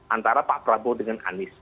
antara pak prabowo dengan anies